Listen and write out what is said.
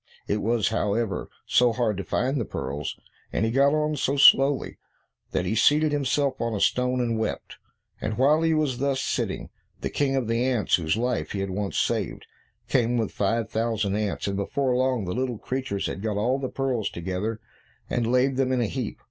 It was, however, so hard to find the pearls, and he got on so slowly, that he seated himself on a stone, and wept. And while he was thus sitting, the King of the ants whose life he had once saved, came with five thousand ants, and before long the little creatures had got all the pearls together, and laid them in a heap.